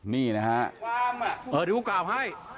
นี่นะฮะ